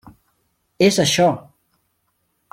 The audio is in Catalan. És això!